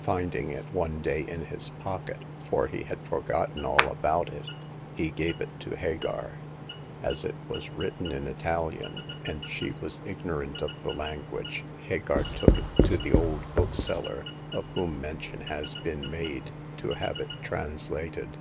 Finding it one day in his pocket — for he had forgotten all about it — he gave it to Hagar. As it was written in Italian, and she was ignorant of the language, Hagar took it to the old bookseller, of whom mention has been made, to have it translated.